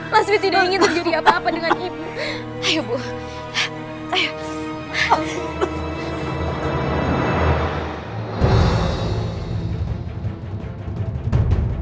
masih tidak ingin terjadi apa apa dengan ibu